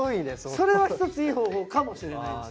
それは一ついい方法かもしれないです。